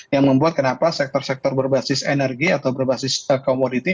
yang membuat kenapa sektor sektor berbasis energi atau berbasis komoditi